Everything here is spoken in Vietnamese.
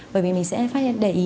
và mình sẽ phát hiện để ý